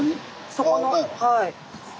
そこのはい。